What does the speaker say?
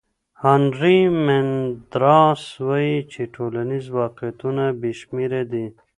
هانري مندراس وایي چې ټولنیز واقعیتونه بې شمېره دي.